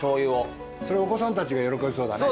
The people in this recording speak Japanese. それお子さんたちが喜びそうだね。